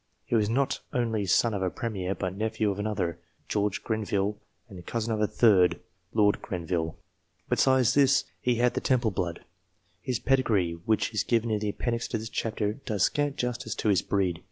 He was not only son of a premier, but nephew of another, George Grenville, and cousin of a third, Lord Grenville. Besides this, he had the Temple blood. His pedigree, which is given in the appendix to this chapter, does scant justice to his breed.